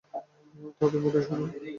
তা তো বটেই, সোনা।